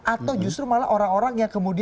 atau justru malah orang orang yang kemudian